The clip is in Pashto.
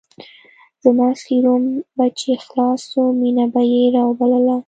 زما سيروم به چې خلاص سو مينه به يې راوبلله.